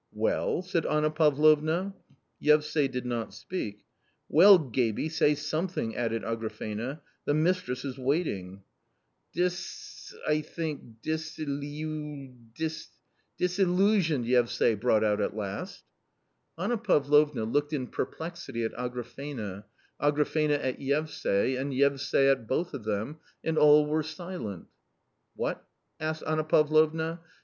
" Well ?" said Anna Pavlovna. Yevsay did not speak. "Well, gaby, say something," added Agrafena, "the mistress is waiting." })>'<" 248 A COMMON STORY " Dis .... I think .... disily — usioned," Yevsay brought out at last. Anna Pavlovna looked in perplexity at Agrafena, Agrafena at Yevsay, and Yevsay at both of them, and all were silent. " What? " asked Anna Pavlovna.